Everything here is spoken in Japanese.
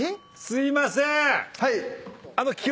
すいませーん！